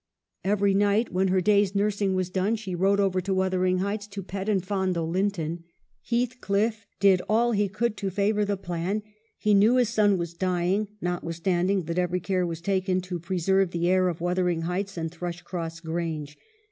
Every night, when her day's nursing was done, she rode over to Wuthering Heights to pet and fondle Linton. Heathcliff did all he could to favor the plan. He knew his son was dying, notwithstanding that every care was taken to preserve the heir of Wuthering Heights and Thrushcross Grange.